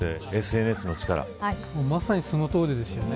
まさにそのとおりですね。